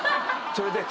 それでは